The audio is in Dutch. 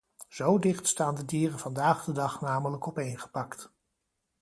Zo dicht staan de dieren vandaag de dag namelijk opeengepakt.